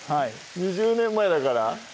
２０年前だから？